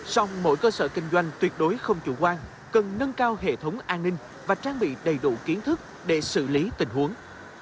song mỗi cơ sở kinh doanh tuyệt đối không chủ quan cần nâng cao hệ thống an ninh và trang bị đầy đủ kiến thức để xử lý tình huống